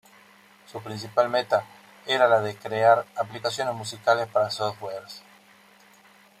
Su principal meta era la de crear aplicaciones musicales para softwares.